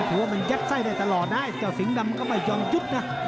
ว่ามันยัดไส้ได้ตลอดนะเจ้าสิงห์ดำก็ไม่ยอมยุบนะ